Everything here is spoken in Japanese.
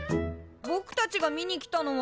ぼくたちが見に来たのは。